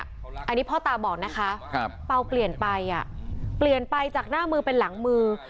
อันนี้พ่อตาบอกนะคะเปล่าเปลี่ยนไปเปลี่ยนไปจากหน้ามือเป็นหลังมือ